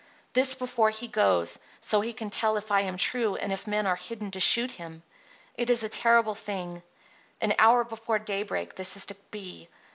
This before he goes, so he can tell if I am true and if men are hidden to shoot him. It is a terrible thing. An hour before daybreak this is to be.